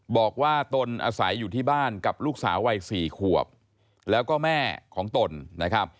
ตนอาศัยอยู่ที่บ้านกับลูกสาววัย๔ขวบแล้วก็แม่ของตนนะครับ